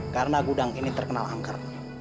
karena gudang ini terkenal angker